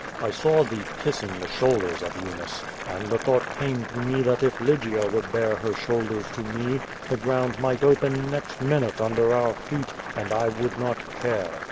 I saw thee kissing the shoulders of Eunice. And the thought came to me that if Lygia would bare her shoulders to me, the ground might open next minute under our feet, and I would not care.